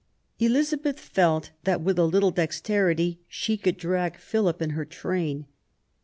Elizabeth felt that with a little dexterity she could drag Philip in her train.